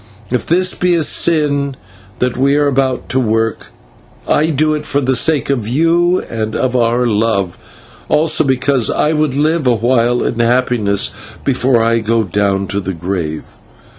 If this be a sin that we are about to work, I do it for the sake of you and of our love; also because I would live awhile in happiness before I go down to the grave.